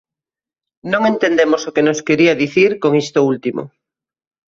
Non entendemos o que nos quería dicir con isto último.